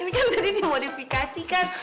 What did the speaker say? ini kan tadi dimodifikasi kan